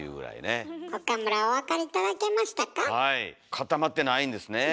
固まってないんですねえ。